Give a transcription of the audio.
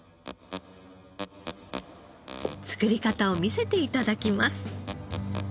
作り方を見せて頂きます。